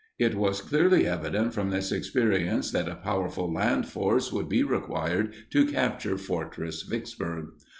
It was clearly evident from this experience that a powerful land force would be required to capture fortress Vicksburg.